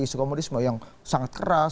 isu komunisme yang sangat keras